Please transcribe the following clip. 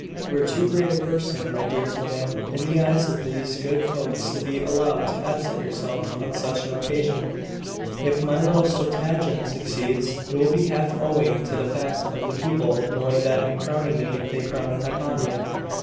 You are too great a person, my dearest madam, in the eyes of these good folks to be allowed to absent yourself on such an occasion. If my little stratagem succeeds, it will be half owing to the fact of the people knowing that in crowning me, they crown Hypatia....